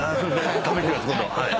食べてみます今度はい。